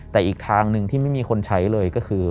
แต่อีกทางหนึ่งที่ไม่มีคนใช้เลยก็คือ